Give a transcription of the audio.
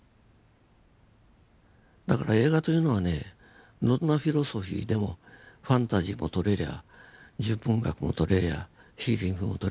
だから映画というのはねどんなフィロソフィーでもファンタジーも撮れりゃ純文学も撮れりゃ悲劇も撮れるんです。